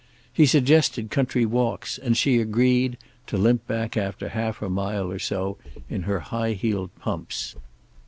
He suggested country walks and she agreed, to limp back after a half mile or so in her high heeled pumps.